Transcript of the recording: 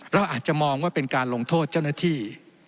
เราอาจจะมองว่าเป็นการลงโทษเจ้าหน้าที่